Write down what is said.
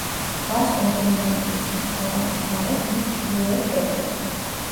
დგას ორბელიანების ციხე-გალავნის გარეთ, მის ჩრდილოეთ კედელთან.